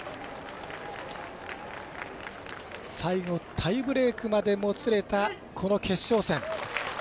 最後、タイブレークまでもつれたこの決勝戦。